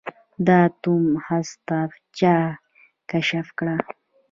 د اتوم هسته چا کشف کړه.